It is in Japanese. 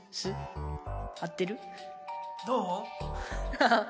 ハハハ！